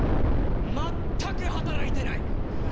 全く働いてない！